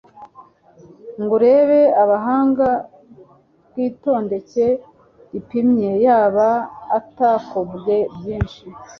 ngo arebe ubuhanga bw'itondeke ripimye, yaba atakobwe byinshi.